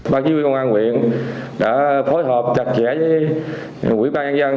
ban chỉ huy công an huyện đã phối hợp chặt chẽ với quỹ ban an dân